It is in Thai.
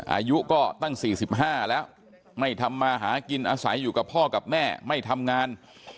อายุก็ตั้ง๔๕แล้วไม่ทำมาหากินอาศัยอยู่กับพ่อกับแม่ไม่ทำงาน